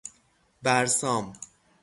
بَرسام